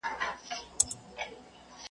ژړي پاڼي به دي یو په یو توییږي .